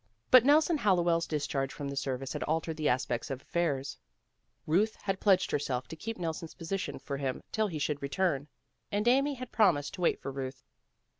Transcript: But Nelson Hallowell's discharge from the service had altered the aspect of affairs. Euth had pledged herself to keep Nelson's position for him till he should return, and Amy had promised to wait for Euth.